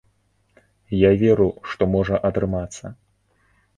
Я веру, што можа атрымацца.